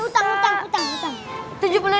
utang utang utang